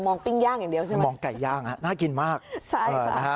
มองปิ้งย่างอย่างเดียวมองไก่ย่างน่ากินมากใช่ค่ะ